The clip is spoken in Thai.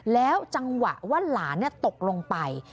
แล้วจังหวะว่าหลานตกลงไป